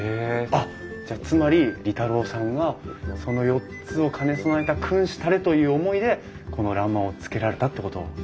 あっじゃあつまり利太郎さんはその４つを兼ね備えた君子たれという思いでこの欄間をつけられたってこと。